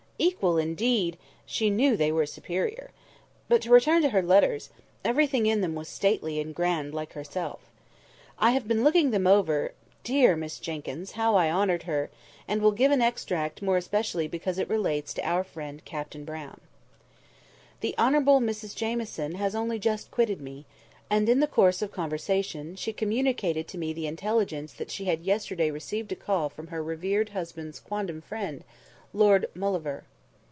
Equal, indeed! she knew they were superior. But to return to her letters. Everything in them was stately and grand like herself. I have been looking them over (dear Miss Jenkyns, how I honoured her!) and I will give an extract, more especially because it relates to our friend Captain Brown:— "The Honourable Mrs Jamieson has only just quitted me; and, in the course of conversation, she communicated to me the intelligence that she had yesterday received a call from her revered husband's quondam friend, Lord Mauleverer.